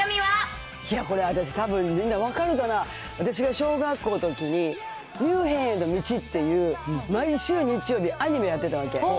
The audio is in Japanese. これ、私、たぶん、みんな分かるかな、私が小学校のときに、ミュンヘンへの道っていう毎週日曜日、アニメやってたわけ。